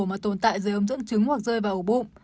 mà tồn tại dưới ấm dẫn trứng hoặc rơi vào ủ bụng